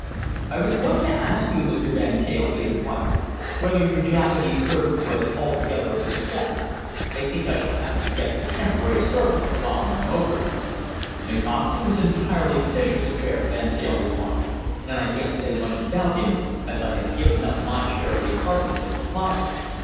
"I was going to ask you, Mr. Van Teyl," he inquired, "whether your Japanese servant was altogether a success? I think I shall have to get a temporary servant while I am over here." "Nikasti was entirely Fischer's affair," Van Teyl replied, "and I can't say much about him as I have given up my share of the apartments at the Plaza.